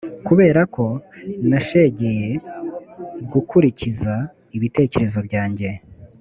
kubera ko nashegeye gukurikiza ibitekerezo byanjye,